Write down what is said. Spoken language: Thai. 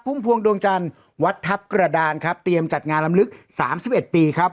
พวงดวงจันทร์วัดทัพกระดานครับเตรียมจัดงานลำลึก๓๑ปีครับ